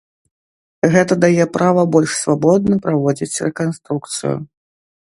Гэта дае права больш свабодна праводзіць рэканструкцыю.